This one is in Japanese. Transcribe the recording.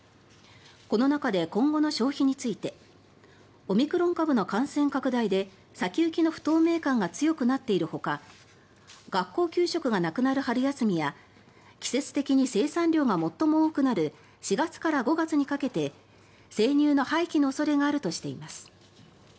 この中で今後の消費についてオミクロン株の感染拡大で先行きの不透明感が強くなっているほか学校給食がなくなる春休みや季節的に生産量が最も多くなる４月から５月にかけて生乳の廃棄の恐れがあるとしています。